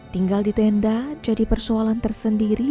tinggal di tenda jadi persoalan tersendiri